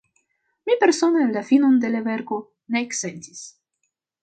Mi persone la finon de la verko ne eksentis.